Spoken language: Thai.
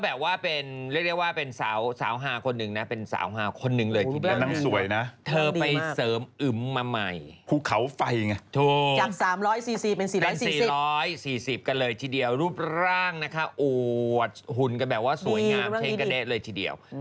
แล้วเดี๋ยวจะได้รู้ว่าอะไรอย่างไร